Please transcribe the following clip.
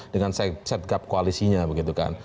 dengan set gap koalisinya begitu kan